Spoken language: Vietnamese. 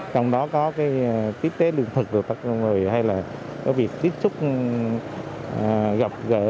trong đó có tiếp tế lương thực của tất cả mọi người hay là có việc tiếp xúc gặp gỡ